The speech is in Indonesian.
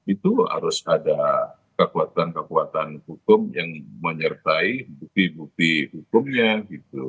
itu harus ada kekuatan kekuatan hukum yang menyertai bukti bukti hukumnya gitu